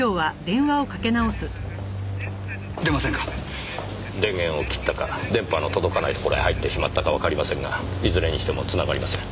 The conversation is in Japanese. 電源を切ったか電波の届かない所へ入ってしまったかわかりませんがいずれにしても繋がりません。